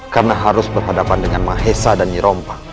karena harus berhadapan dengan mahesa dan nyirompa